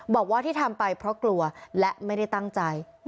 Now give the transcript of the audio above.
บอกว่าที่ทำไปเพราะกลัวและไม่ได้ตั้งใจ